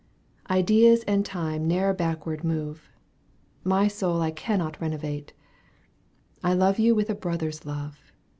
Ideas and time ne'er backward move ; My soul I cannot renovate — I love you w^th a brother's love.